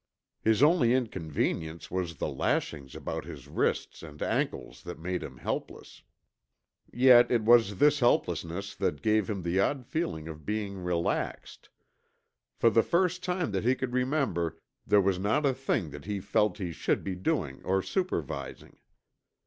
His only inconvenience was the lashings about his wrists and ankles that made him helpless. Yet it was this helplessness that gave him the odd feeling of being relaxed. For the first time that he could remember, there was not a thing that he felt he should be doing or supervising.